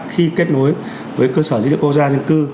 khi kết nối với cơ sở dữ liệu quốc gia dân cư